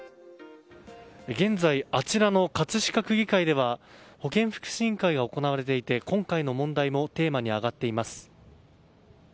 現在、あちらの葛飾区議会では保健福祉委員会が行われていて今回の問題もテーマに上がっています。